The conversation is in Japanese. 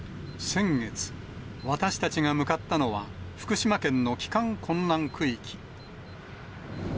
先月、私たちが向かったのは、福島県の帰還困難区域。